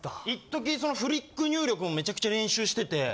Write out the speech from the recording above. いっとき、フリック入力もめちゃくちゃ練習してて。